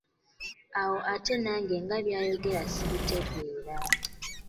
Awo ate nange nga byayogera sibitegeera.